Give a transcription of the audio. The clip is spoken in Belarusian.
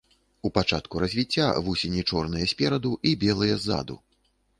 У пачатку развіцця, вусені чорныя спераду і белыя ззаду.